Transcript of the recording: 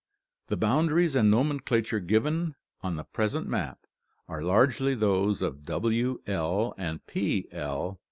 The boundaries and nomenclature given on the present map (Fig. 9) are largely those of W. L. and P. L.